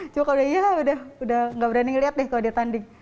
cuma kalau udah iya udah gak berani ngeliat deh kalau dia tanding